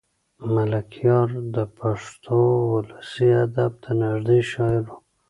ملکیار د پښتو ولسي ادب ته نږدې شاعر و.